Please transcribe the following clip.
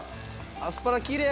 アスパラきれい！